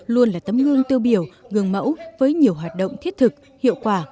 luôn là tấm ngương tư biểu gương mẫu với nhiều hoạt động thiết thực hiệu quả